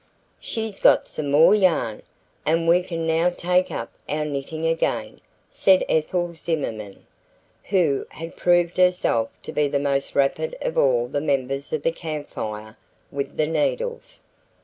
"She's got some more yarn, and we can now take up our knitting again," said Ethel Zimmerman, who had proved herself to be the most rapid of all the members of the Camp Fire with the needles.